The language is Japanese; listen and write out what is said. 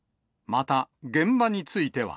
また、現場については。